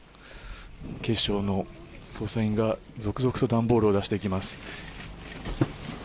警視庁の捜査員が続々と段ボールを出してきます。